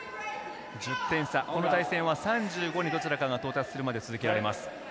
１０点差、この対戦は３５にどちらかが到達するまで続けられます。